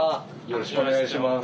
よろしくお願いします。